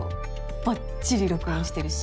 ばっちり録音してるし。